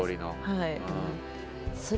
はい。